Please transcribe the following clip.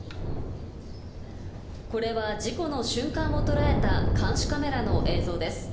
これは事故の瞬間を捉えた監視カメラの映像です。